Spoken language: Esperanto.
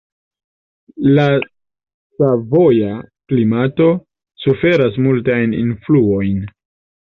La savoja klimato suferas multajn influojn.